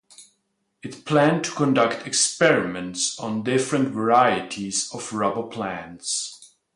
It planned to conduct experiments on different varieties of rubber plants.